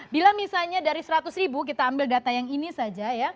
bila misalnya dari seratus ribu kita ambil data yang ini saja ya